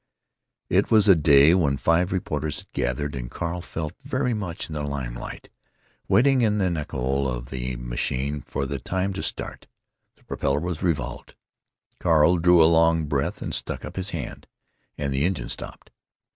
It was a day when five reporters had gathered, and Carl felt very much in the limelight, waiting in the nacelle of the machine for the time to start. The propeller was revolved, Carl drew a long breath and stuck up his hand—and the engine stopped.